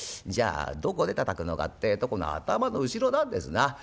じゃあどこで叩くのかってえとこの頭の後ろなんですな。